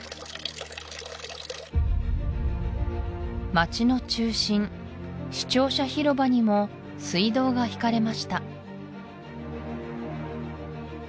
街の中心市庁舎広場にも水道が引かれました